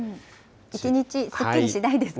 一日すっきりしないですか。